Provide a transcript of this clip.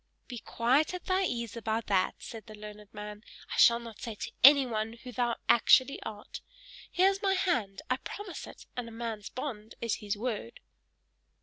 "Be quite at thy ease about that," said the learned man; "I shall not say to anyone who thou actually art: here is my hand I promise it, and a man's bond is his word."